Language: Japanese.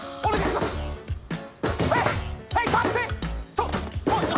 ちょっ何？